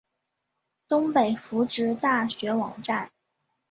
东北福祉大学网站